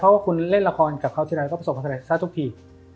เพราะว่าคุณเล่นละครกับเขาทีใดก็ประสบความสำเร็จซะทุกที